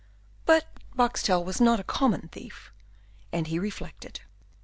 But Boxtel was not a common thief, and he reflected.